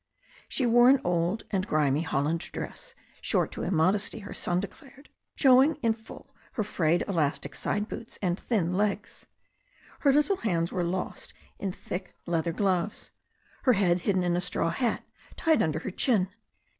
She wore an old and grimy Holland dress, short to im modesty, her son declared, showing in full her frayed 44 THE STORY OF A NEW ZEALAND RIVER elastic side boots and thin legs. Her little hands were lost in thick leather gloves, her head hidden in a straw hat tied under her chin.